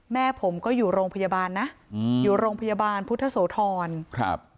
แม่ผมก็อยู่โรงพยาบาลนะอืมอยู่โรงพยาบาลพุทธโสธรครับ